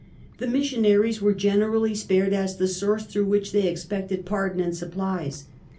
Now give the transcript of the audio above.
The missionaries were generally spared, as the source through which they ex pected pardon and supplies.